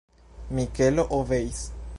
Mikelo obeis.